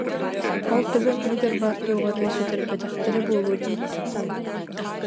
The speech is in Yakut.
Ол төбөҥ иһигэр баар туох эрэ сүтэрбэтэхтэрэ буолуо диир дуу